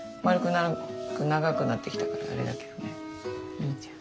いいじゃん。